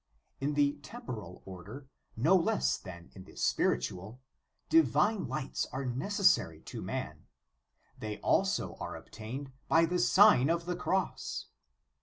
* In the temporal order, no less than in the spiritual, divine lights are necessary to man; they also are obtained by the Sign of the Cross.